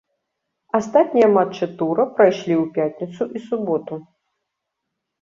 Астатнія матчы тура прайшлі ў пятніцу і суботу.